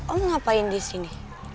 om ngapain disini